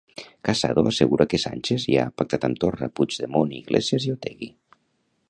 Casado assegura que Sánchez ja ha pactat amb Torra, Puigemont, Iglesias i Otegi.